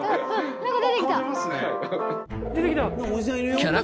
なんかおじさんいるよ。